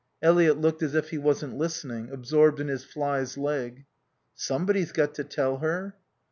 Eliot looked as if he wasn't listening, absorbed in his fly's leg. "Somebody's got to tell her."